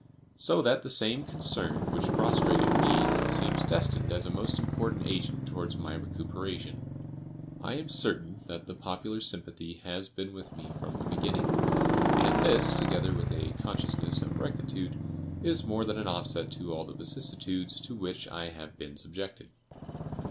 So that the same concern which prostrated me seems destined as a most important agent towards my recuperation. I am certain that the popular sympathy has been with me from the beginning; and this, together with a consciousness of rectitude, is more than an offset to all the vicissitudes to which I have been subjected.